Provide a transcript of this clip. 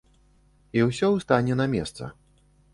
І ўсё стане на месца.